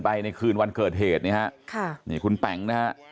ไปในคืนวันเขิดเหตุคุณแปง